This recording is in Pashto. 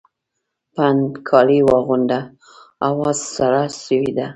پنډ کالي واغونده ! هوا سړه سوې ده